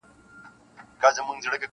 سر کي ښکر شاته لکۍ ورکړه باداره-